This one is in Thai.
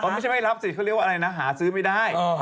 ไม่ใช่ไม่รับสิเขาเรียกว่าอะไรนะหาซื้อไม่ได้